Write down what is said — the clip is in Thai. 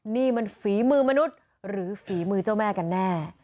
นี่มันฝีมือมนุษย์หรือฝีมือเจ้าแม่กันแน่